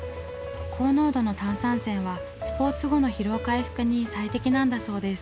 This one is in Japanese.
高濃度の炭酸泉はスポーツ後の疲労回復に最適なんだそうです。